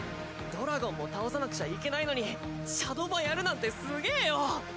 ドラゴンも倒さなくちゃいけないのにシャドバやるなんてすげぇよ。